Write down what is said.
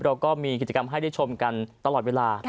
เราก็มีกิจกรรมให้ได้ชมกันตลอดเวลา